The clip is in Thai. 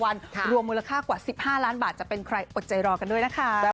เพราะว่าไม่ทันส่งไม่ทัน